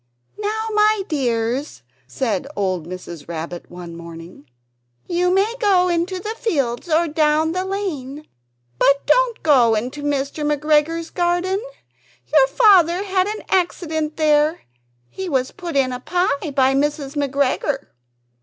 "Now, my dears," said old Mrs. Rabbit, one morning, "you may go into the fields or down the lane, but don't go into Mr. McGregor's garden: your Father had an accident there; he was put in a pie by Mrs. McGregor."